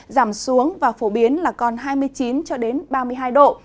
giảm xuống và phổ biến là còn hai mươi chín ba mươi hai độ